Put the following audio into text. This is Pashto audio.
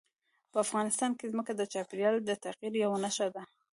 په افغانستان کې ځمکه د چاپېریال د تغیر یوه نښه ده.